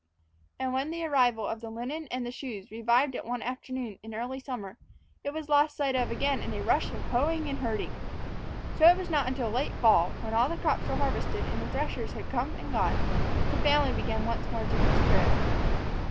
And when the arrival of the linen and the shoes revived it one afternoon in early summer, it was lost sight of again in a rush of hoeing and herding. So it was not until late fall, when all the crops were harvested and the threshers had come and gone, that the family began once more to consider it.